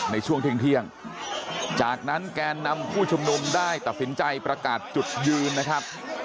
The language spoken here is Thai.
ในช่วงเที่ยงจากนั้นแกนนำผู้ชุมนุมได้ตัดสินใจประกาศจุดยืนนะครับ